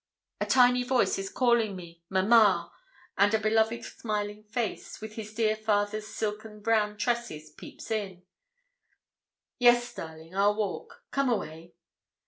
A tiny voice is calling me 'Mamma!' and a beloved smiling face, with his dear father's silken brown tresses, peeps in. 'Yes, darling, our walk. Come away!'